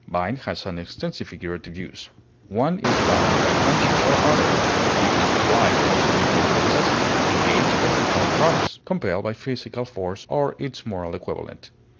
Bind has an extensive figurative use. One is bound by conscience or honor; he is obliged by some imperious necessity; engaged by his own promise; compelled by physical force or its moral equivalent.